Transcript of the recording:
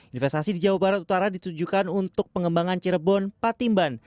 investasi di jawa barat utara ditujukan untuk pengembangan cirebon patimban